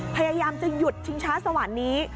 พยายามจะหยุดชิงช้าสวรรค์นี้